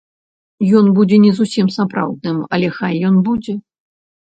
Ён будзе не зусім сапраўдным, але хай ён будзе.